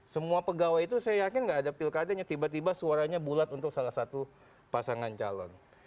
semua pegawai itu saya yakin nggak ada pilkadanya tiba tiba suaranya bulat untuk salah satu pasangan calon